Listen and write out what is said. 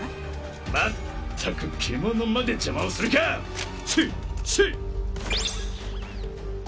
まったく獣まで邪魔をするかしっしっ！